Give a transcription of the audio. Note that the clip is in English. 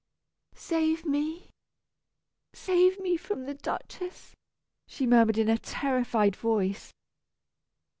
"Save me, save me from the Duchess!" she murmured in a terrified voice.